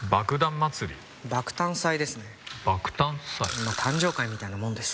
まあ誕生会みたいなもんです。